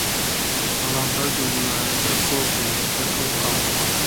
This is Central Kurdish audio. بەڵام هەردوو میوانەکە کۆک بوون لەسەر ئەو خاڵە